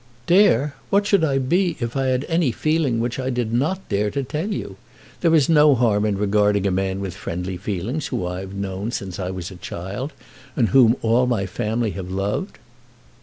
"Dare! What should I be if I had any feeling which I did not dare to tell you? There is no harm in regarding a man with friendly feelings whom I have known since I was a child, and whom all my family have loved."